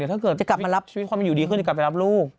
ถ้าเกิดชีวิตความมีอยู่ดีขึ้นจะกลับมารับลูก